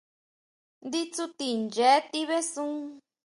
Ndí tsuti ʼnchee tibesun.